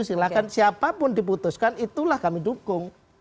silahkan siapapun diputuskan itulah kami dukung